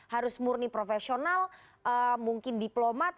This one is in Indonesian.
harus murni profesional mungkin diplomat